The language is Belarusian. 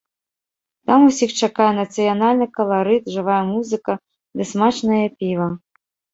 Там усіх чакае нацыянальны каларыт, жывая музыка ды смачнае піва.